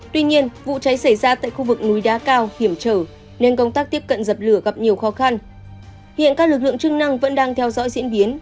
tuy nhiên vụ cháy xảy ra tại khu vực núi đá cao hiểm trở nên công tác tiếp cận dập lửa gặp nhiều khó khăn